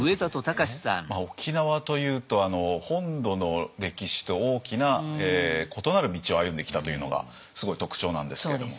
沖縄というと本土の歴史と大きな異なる道を歩んできたというのがすごい特徴なんですけれども。